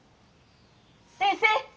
先生！